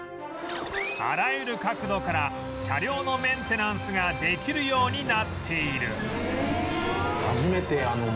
あらゆる角度から車両のメンテナンスができるようになっている